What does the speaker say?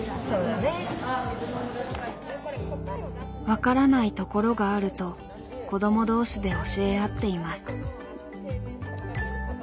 分からないところがあると子ども同士で教え合っています。